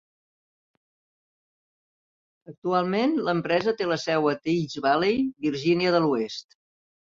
Actualment, l'empresa té la seu a Teays Valley (Virgínia de l'Oest).